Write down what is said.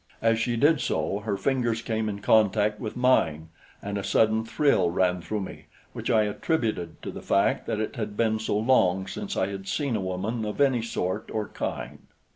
As she did so, her fingers came in contact with mine, and a sudden thrill ran through me, which I attributed to the fact that it had been so long since I had seen a woman of any sort or kind.